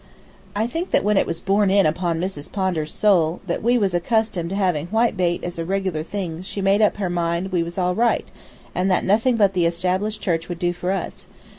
I think that when it was borne in upon Miss Pondar's soul that we was accustomed to having whitebait as a regular thing she made up her mind we was all right, and that nothing but the Established Church would do for us.